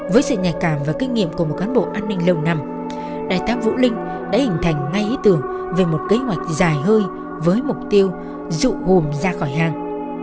với sự nhạy cảm và kinh nghiệm của một cán bộ an ninh lâu năm đại tá vũ linh đã hình thành ngay ý tưởng về một kế hoạch dài hơi với mục tiêu dụ ra khỏi hang